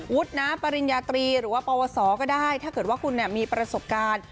นะปริญญาตรีหรือว่าปวสอก็ได้ถ้าเกิดว่าคุณมีประสบการณ์